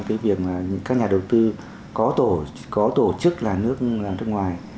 với việc các nhà đầu tư có tổ chức là nước nước ngoài